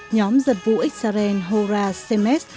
nhóm dân vũ israel hora semes